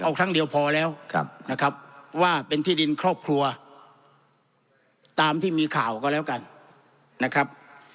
เอาครั้งเดียวพอแล้วนะครับว่าเป็นที่ดินครอบครัวตามที่มีข่าวก็แล้วกันนะครับ